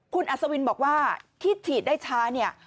คุณอัศวินบอกว่าที่ฉีดได้ช้าเนี่ย